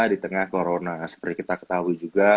di tengah corona seperti kita ketahui juga